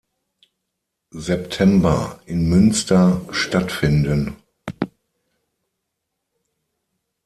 September in Münster stattfinden.